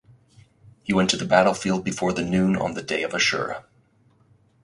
He went to the battlefield before the noon on the Day of Ashura.